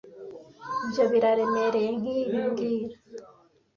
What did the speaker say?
Ibyo biraremereye nkibi mbwira